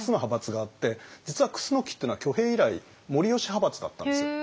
実は楠木っていうのは挙兵以来護良派閥だったんですよ。